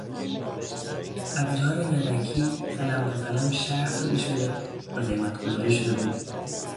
ابزار یدکی قلم به قلم شرح داده شده و قیمت گذاری شده بود.